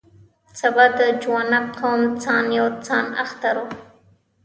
سبا د جوانګ قوم سان یو سان اختر و.